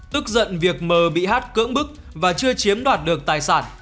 tức giận việc m bị h cưỡng bức và chưa chiếm đoạt được tài sản